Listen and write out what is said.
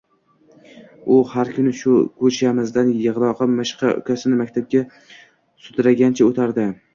U har kuni ko’chamizdan yig’loqi, mishqi ukasini maktabga sudragancha o’tardi.